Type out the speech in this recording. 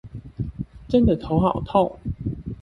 真的頭好痛